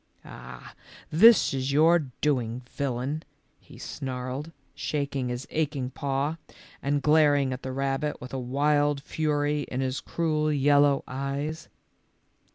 " Ah, this is your doing, villain," he snarled, shaking his aching paw and glaring at the rab bit with a wild fury in his cruel, yellow eyes.